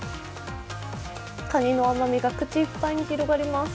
かにの甘みが口いっぱいに広がります。